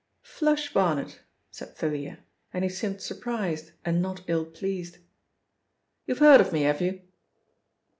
"'Flush' Barnet," said Thalia, and he seemed surprised and not ill pleased. "You've heard of me, have you?"